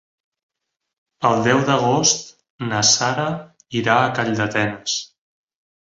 El deu d'agost na Sara irà a Calldetenes.